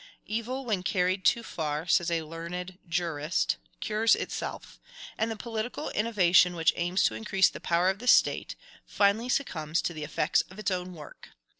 "Evil, when carried too far," says a learned jurist, "cures itself; and the political innovation which aims to increase the power of the State, finally succumbs to the effects of its own work.